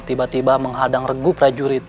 tiba tiba menghadang regup rajurit